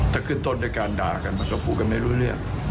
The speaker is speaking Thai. ถ้าขึ้นต้นด้วยการด่ากันมันก็พูดกันไม่รู้เรื่อง